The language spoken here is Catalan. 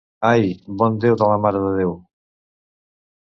Ai, bon Déu de la Mare de Déu!